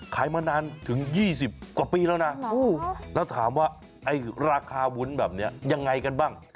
มานานถึง๒๐กว่าปีแล้วนะแล้วถามว่าไอ้ราคาวุ้นแบบนี้ยังไงกันบ้าง